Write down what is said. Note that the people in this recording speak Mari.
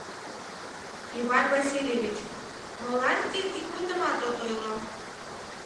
Иван Васильевич, молан тин ик мутымат от ойло?